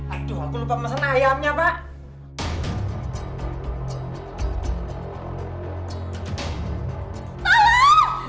aduh aku lupa masukan ayamnya pak